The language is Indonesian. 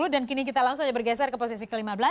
dan kini kita langsung aja bergeser ke posisi ke lima belas